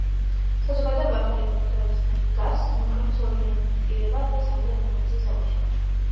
საზოგადოება ახალი გამოწვევის წინაშე დგას - მოახერხოს ორიენტირება და სანდო ინფორმაციის ამორჩევა.